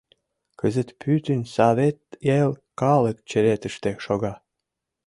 Кызыт пӱтынь Савет эл калык черетыште шога.